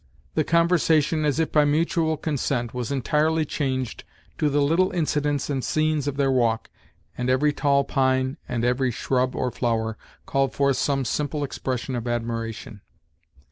The conversation, as if by mutual consent, was entirely changed to the little incidents and scenes of their walk, and every tall pine, and every shrub or flower, called forth some simple expression of admiration.